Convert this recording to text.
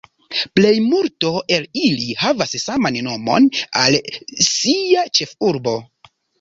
Plejmulto el ili havas saman nomon al sia ĉefurbo.